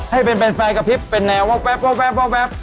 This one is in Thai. ให้เป็นไฟกระพริบเป็นแนวแว๊บ